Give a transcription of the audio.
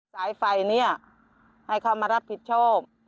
สายไฟเนี่ยให้เขามารับผิดชอบ